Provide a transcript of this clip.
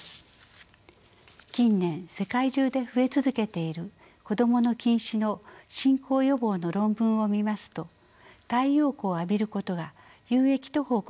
近年世界中で増え続けている子どもの近視の進行予防の論文を見ますと太陽光を浴びることが有益と報告されています。